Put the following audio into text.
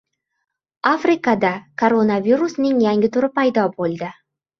Afrikada koronavirusning yangi turi paydo bo‘ldi